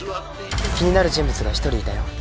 気になる人物が１人いたよ。